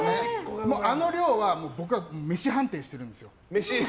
あの量は僕はめし判定してるんですよ。